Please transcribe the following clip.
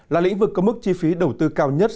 là lĩnh vực có mức chi phí đầu tư cao nhất